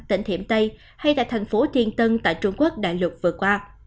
tỉnh thiểm tây hay tại thành phố thiên tân tại trung quốc đại lục vừa qua